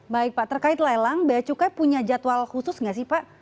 baik pak terkait lelang bacukai punya jadwal khusus nggak sih pak